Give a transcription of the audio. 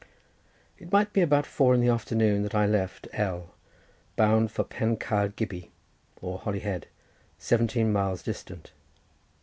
It might be about four in the afternoon when I left L— bound for Pen Caer Gybi, or Holy Head, seventeen miles distant.